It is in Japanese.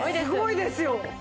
すごいですよ！